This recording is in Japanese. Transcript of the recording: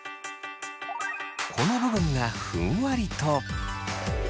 この部分がふんわりと。